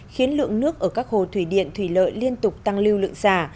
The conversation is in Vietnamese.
khiến lượng nước ở các hồ thủy điện thủy lợi liên tục tăng lưu lượng xả